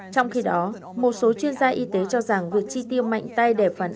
trong khi đó một số chuyên gia y tế cho rằng việc chi tiêu mạnh tay đẻ phần